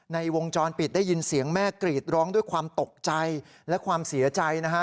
ในวงจรปิดได้ยินเสียงแม่กรีดร้องด้วยความตกใจและความเสียใจนะฮะ